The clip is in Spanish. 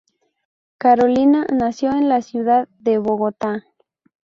Carolina nació en la ciudad de Bogotá.